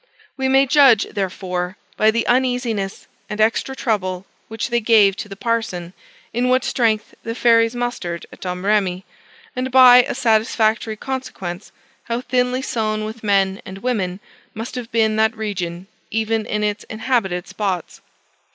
We may judge, therefore, by the uneasiness and extra trouble which they gave to the parson, in what strength the fairies mustered at Domrémy, and, by a satisfactory consequence, how thinly sown with men and women must have been that region even in its inhabited spots.